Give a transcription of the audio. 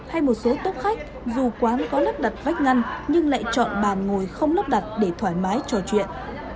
hay một số tốt khách dù quán có nắp đặt vách ngăn nhưng lại chọn bàn ngồi không nắp đặt để thoải mái trò chuyện